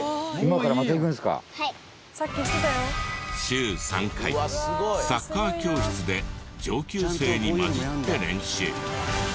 週３回サッカー教室で上級生に交じって練習。